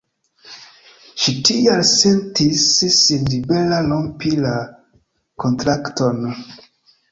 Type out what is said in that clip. Ŝi tial sentis sin libera rompi la kontrakton.